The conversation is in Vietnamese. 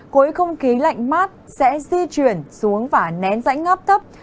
cuối không khí lạnh mát sẽ di chuyển xuống và nén rãnh áp thấp